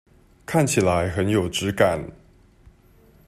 看起來很有質感